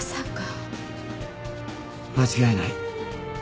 間違いない。